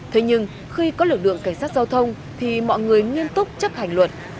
thế nhưng khi có lực lượng cảnh sát giao thông thì mọi người nghiêm túc chấp hành luật